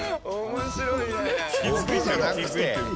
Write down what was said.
面白いね。